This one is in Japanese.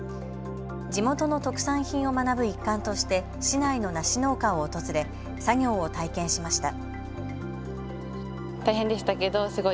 地元の特産品を学ぶ一環として市内の梨農家を訪れ作業を体験しました。